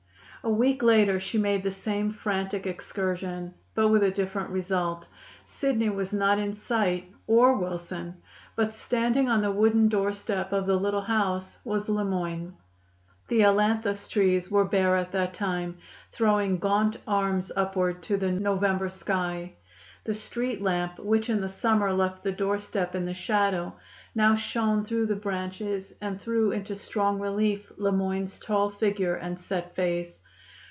A week later she made the same frantic excursion, but with a different result. Sidney was not in sight, or Wilson. But standing on the wooden doorstep of the little house was Le Moyne. The ailanthus trees were bare at that time, throwing gaunt arms upward to the November sky. The street lamp, which in the summer left the doorstep in the shadow, now shone through the branches and threw into strong relief Le Moyne's tall figure and set face.